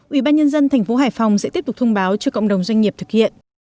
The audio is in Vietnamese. ủy ban nhân dân tp hải phòng sẽ tiếp tục thông báo cho cộng đồng doanh nghiệp thực hiện